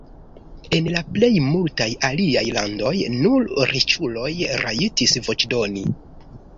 En la plej multaj aliaj landoj nur riĉuloj rajtis voĉdoni.